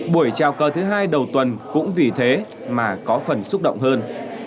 buổi trào cờ thứ hai đầu tuần cũng vì thế mà có phần xúc động hơn